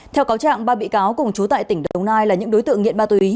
theo cáo trạng ba bị cáo cùng chú tại tỉnh đồng nai là những đối tượng nghiện ma túy